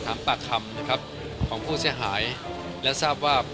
แต่นายต้องแนะนำให้ฉัน